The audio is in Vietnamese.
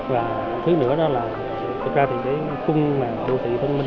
và thứ nữa đó là thực ra thì cái khung mà đô thị thông minh